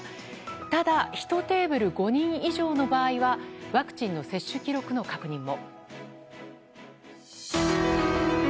ただ１テーブル５人以上の場合はワクチンの接種記録の確認も。